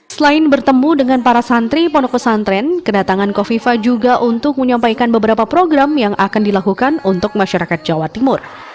selain bertemu dengan para santri pondok pesantren kedatangan kofifa juga untuk menyampaikan beberapa program yang akan dilakukan untuk masyarakat jawa timur